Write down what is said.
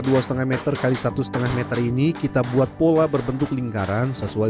dua setengah meter kali satu setengah meter ini kita buat pola berbentuk lingkaran sesuai